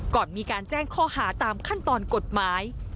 ก่อนมีการแจ้งข้อหาตามขั้นตอนกฎหมาย